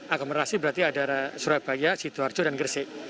agglomerasi berarti ada surabaya situarjo dan gresik